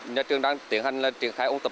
nhà trường đang tiến hành triển khai ôn tập